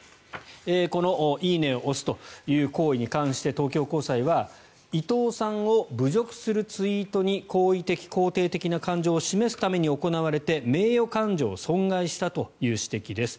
この「いいね」を押すという行為に関して東京高裁は伊藤さんを侮辱するツイートに好意的・肯定的な感情を示すために行われて名誉感情を損害したという指摘です。